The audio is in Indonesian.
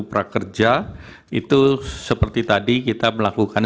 prakerja itu seperti tadi kita melakukan